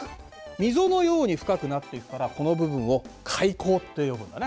溝のように深くなっていくからこの部分を海溝と呼ぶんだね。